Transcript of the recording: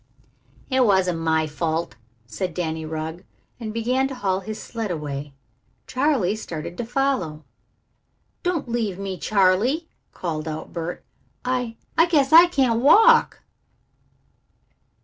"It wasn't my fault," said Danny Rugg, and began to haul his sled away. Charley started to follow. "Don't leave me, Charley," called out Bert. "I I guess I can't walk."